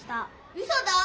うそだ！